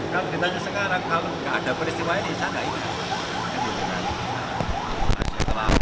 kalau ditanya sekarang kalau gak ada peristiwa ini saya gak ingat